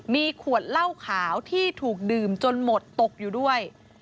มีขวดเหล้าขาวที่ถูกดื่มจนหมดตกอยู่ด้วย